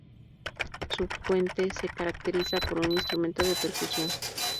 Su puente se caracteriza por un instrumento de percusión.